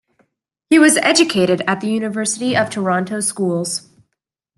He was educated at the University of Toronto Schools.